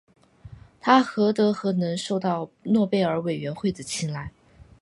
他何德何能受到诺贝尔委员会的青睐。